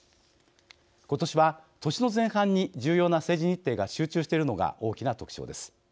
今年は、年の前半に重要な政治日程が集中しているのが大きな特徴です。